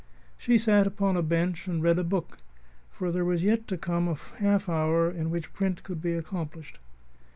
She sat upon a bench and read a book, for there was yet to come a half hour in which print could be accomplished.